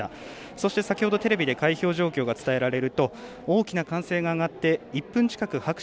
そして先ほどテレビで開票状況が伝えられると大きな歓声が上がりました。